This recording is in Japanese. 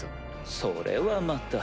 それはまた。